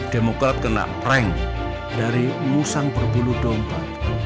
demokrat kena prank dari musang berbulu domba